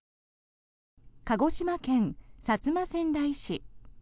鹿児島県薩摩川内市。